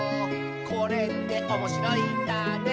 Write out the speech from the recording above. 「これっておもしろいんだね」